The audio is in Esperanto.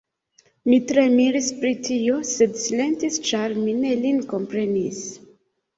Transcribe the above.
Mi tre miris pri tio, sed silentis, ĉar mi ne lin komprenis.